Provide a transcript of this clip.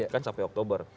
kan sampai oktober